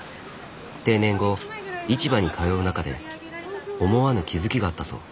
定年後市場に通う中で思わぬ気付きがあったそう。